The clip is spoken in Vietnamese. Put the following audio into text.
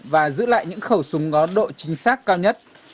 và giữ lại những khẩu súng có độ chính xác cao nhất